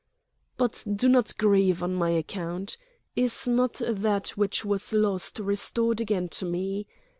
"But do not grieve on my account. Is not that which was lost restored again to me?